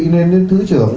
nên đến thứ trưởng